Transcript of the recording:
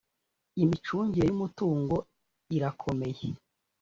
Imicungire y ‘umutungo irakomeye.